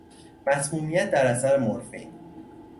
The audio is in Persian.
مسمومیت در اثر مرفین